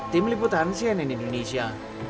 tim liput hansian in indonesia